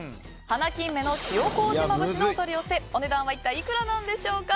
華金目の塩麹まぶしのお取り寄せお値段は一体いくらなんでしょうか。